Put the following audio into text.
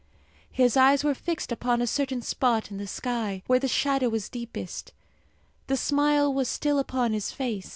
His eyes were fixed upon a certain spot in the sky, where the shadow was deepest. The smile was still upon his face.